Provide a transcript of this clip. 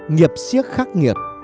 nghiệp siếc khắc nghiệp